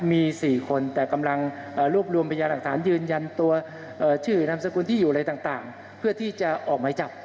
มี๔คนแต่กำลังรวบรวมพยานหลักฐานยืนยันตัวชื่อนามสกุลที่อยู่อะไรต่างเพื่อที่จะออกหมายจับ